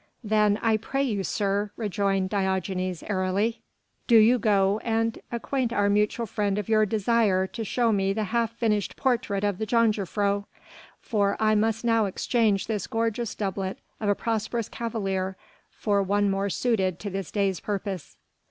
"Then I pray you, sir," rejoined Diogenes airily, "do you go and acquaint our mutual friend of your desire to show me the half finished portrait of the jongejuffrouw, for I must now exchange this gorgeous doublet of a prosperous cavalier for one more suited to this day's purpose."